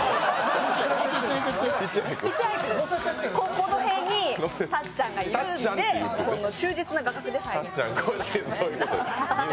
この辺にたっちゃんがいるので、忠実な画角です。